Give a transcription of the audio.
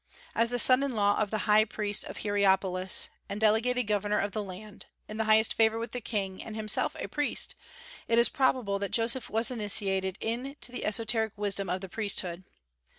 As the son in law of the high priest of Hieropolis, and delegated governor of the land, in the highest favor with the King, and himself a priest, it is probable that Joseph was initiated into the esoteric wisdom of the priesthood.